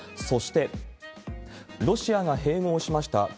そして、ロシアが併合しました